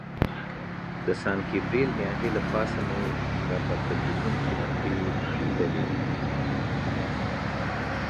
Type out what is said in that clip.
د سان ګبریل ناحیې له پاسه مې را پورته کېدونکي لمبې لیدلې.